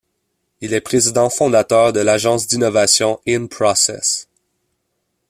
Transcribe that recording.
Il est président-fondateur de l’agence d’innovation InProcess.